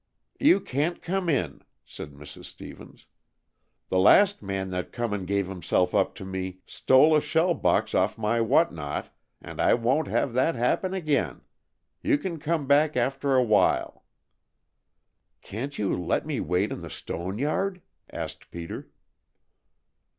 "You can't come in!" said Mrs. Stevens. "The last man that come and gave himself up to me stole a shell box off my what not, and I won't have that happen again. You can come back after a while." "Can't you let me wait in the stone yard?" asked Peter.